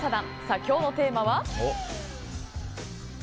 今日のテーマは。